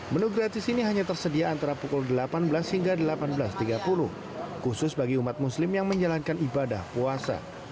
menu gratis ini hanya tersedia antara pukul delapan belas hingga delapan belas tiga puluh khusus bagi umat muslim yang menjalankan ibadah puasa